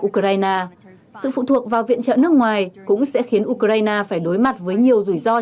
ukraine sự phụ thuộc vào viện trợ nước ngoài cũng sẽ khiến ukraine phải đối mặt với nhiều rủi ro